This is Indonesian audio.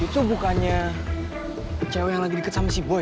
itu bukannya kecewa yang lagi deket sama si boy